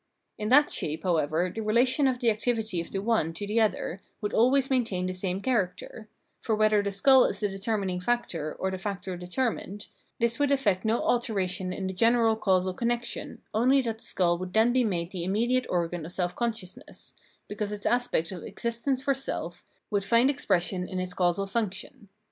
In that shape, however, the relation of the activity of the one to the other would always maintain the same character ; for whether the skull is the determining factor or the factor determined, this would effect no alteration in the general causal connection, only that the skull would then be made the immediate organ of self consciousness, because its aspect of existence for self would find expression in its causal function.